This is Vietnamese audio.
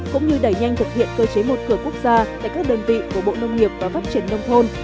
cũng như đẩy nhanh thực hiện cơ chế một cửa quốc gia tại các đơn vị của bộ nông nghiệp và phát triển nông thôn